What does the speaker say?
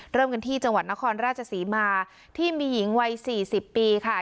เริ่มกันที่จังหวัดนครราชศรีมาที่มีหญิงวัยสี่สิบปีค่ะ